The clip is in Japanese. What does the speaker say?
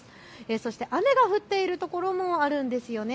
そして雨が降っているところもあるんです。